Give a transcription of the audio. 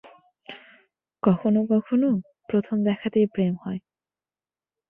কখনও কখনও প্রথম দেখাতেই প্রেম হয়।